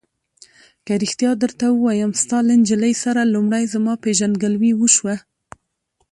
که رښتیا درته ووایم، ستا له نجلۍ سره لومړی زما پېژندګلوي وشوه.